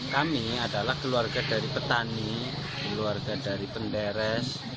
kami adalah keluarga dari petani keluarga dari penderes